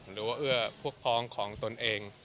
หรือว่าเอื้อพวกพองของตนเอง